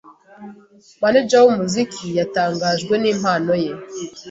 Manager w’umuziki, yatangajwe n’impano ye